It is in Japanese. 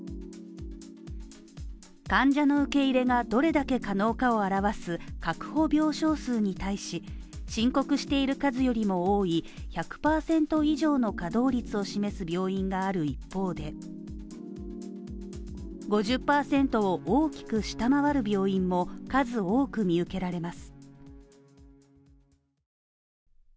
患者の受け入れがどれだけ可能かを表す確保病床数に対して申告している数よりも多い１００％以上の稼働率を示す病院がある一方で、５０％を大きく下回る病院も数多く見受けられます。